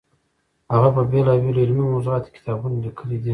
هغه په بېلابېلو علمي موضوعاتو کې کتابونه لیکلي دي.